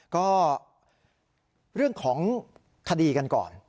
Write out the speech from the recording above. ก็เรื่องของคดีกันก่อน